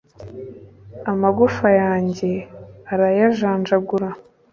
amagufa yanjye arayajanjagura;